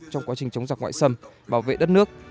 trong quá trình chống giặc ngoại xâm bảo vệ đất nước